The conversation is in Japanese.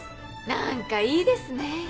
何かいいですね。